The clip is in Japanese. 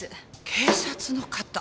警察の方？